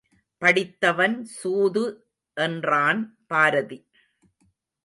படித்தவன் சூது என்றான் பாரதி.